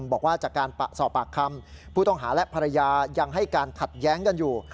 บอกว่าจากการสอบปากคำผู้ต้องหาและภรรยายังให้การขัดแย้งกันอยู่